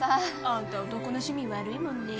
あんた男の趣味悪いもんね。